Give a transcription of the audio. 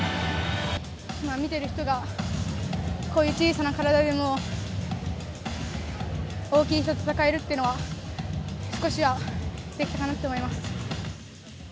見ている人がこういう小さな体でも大きい人と戦えるというのは少しはできたかなって思います。